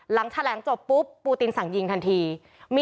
หลังแถลงจบปุ๊บปูตินสั่งยิงทันที